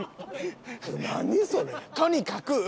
とにかく。